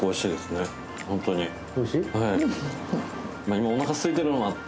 今おなかすいてるのもあって。